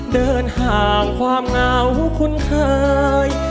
เดินห่างความเหงาคุ้นเคย